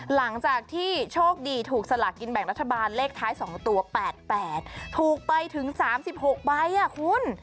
หลังจากที่โชคดีถูกสลากกินแบ่งรัฐบาลเลขท้าย๒ตัว๘๘ถูกไปถึง๓๖ใบคุณ